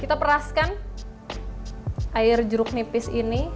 kita peraskan air jeruk nipis ini